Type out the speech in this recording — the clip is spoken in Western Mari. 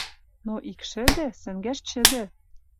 Но ик шӹдӹ — сӹнгӓш чӹдӹ